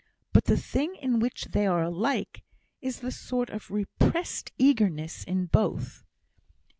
But the thing in which they are alike, is the sort of repressed eagerness in both."